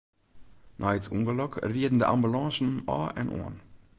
Nei it ûngelok rieden de ambulânsen ôf en oan.